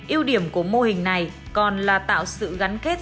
yêu điểm của mô hình này còn là tạo sự gắn kết